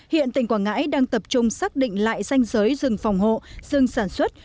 hiện tỉnh quảng ngãi đang tập trung xác định lại danh giới rừng phòng hộ rừng sản xuất